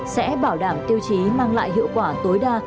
sẽ bảo đảm tiêu chí mang lại hiệu quả tối đa